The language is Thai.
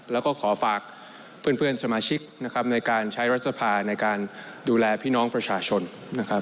แล้วก็ขอฝากเพื่อนสมาชิกนะครับในการใช้รัฐสภาในการดูแลพี่น้องประชาชนนะครับ